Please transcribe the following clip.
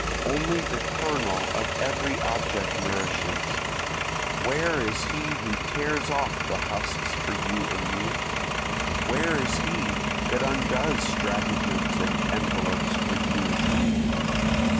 Only the kernel of every object nourishes; Where is he who tears off the husks for you and me? Where is he that undoes stratagems and envelopes for you and me?